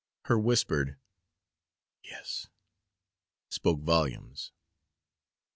Her whispered "Yes" spoke volumes.